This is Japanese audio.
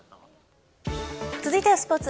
続いてはスポーツ。